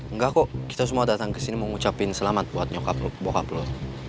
nggak kok kita semua datang ke sini mengucapin selamat buat nyokap lu bokap lu